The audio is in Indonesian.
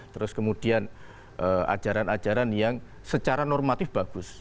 terus kemudian ajaran ajaran yang secara normatif bagus